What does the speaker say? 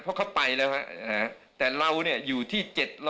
เพราะเขาไปแล้วแต่เราอยู่ที่๗๐๐